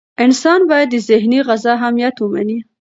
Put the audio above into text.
انسان باید د ذهني غذا اهمیت ومني.